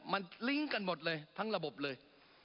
มันลิ้งกันหมดเลยทั้งระบบเลย